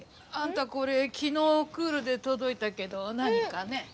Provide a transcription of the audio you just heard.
あんたこれ昨日クールで届いたけど何かね？